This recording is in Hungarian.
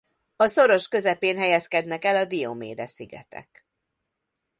A szoros közepén helyezkednek el a Diomede-szigetek.